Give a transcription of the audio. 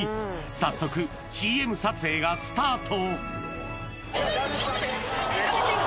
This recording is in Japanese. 早速ＣＭ撮影がスタート。